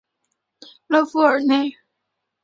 勒富尔内。